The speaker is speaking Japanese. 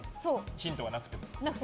ヒントがなくても。